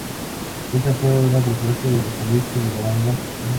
Esta fue una propuesta del vocalista de la banda.